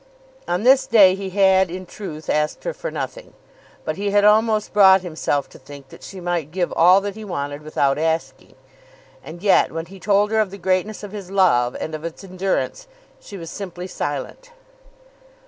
On this day he had, in truth, asked her for nothing; but he had almost brought himself to think that she might give all that he wanted without asking. And yet, when he told her of the greatness of his love, and of its endurance, she was simply silent.